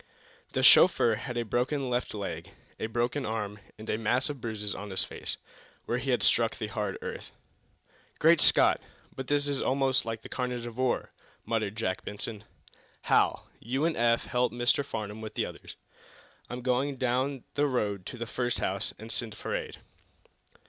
The chauffeur had a broken left leg, a broken arm, and a mass of bruises on his face, where he had struck the hard earth. "Great Scott, but this is almost like the carnage of war!" muttered Jack Benson. "Hal, you and Eph help Mr. Farnum with the others. I'm going down the road to the first house, and send for aid."